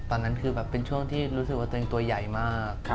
ตอนนั้นคือแบบเป็นช่วงที่รู้สึกว่าตัวเองตัวใหญ่มาก